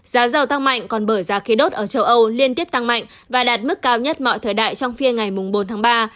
giá dầu tăng mạnh còn bởi giá khí đốt ở châu âu liên tiếp tăng mạnh và đạt mức cao nhất mọi thời đại trong phiên ngày bốn tháng ba